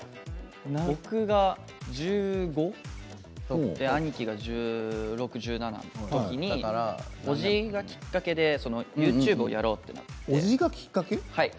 ハモりだす僕が１５、兄貴は１６、１７のときにおじがきっかけでＹｏｕＴｕｂｅをやろうと。